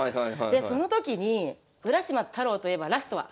でその時に「浦島太郎」といえばラストは？